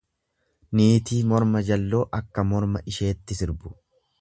Niitii morma jalloo akka morma isheetti sirbu.